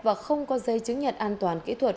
và không có giấy chứng nhận an toàn kỹ thuật